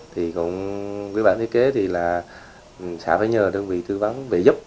thì cũng với bản thiết kế thì là xã phải nhờ đơn vị thư vấn vẽ giúp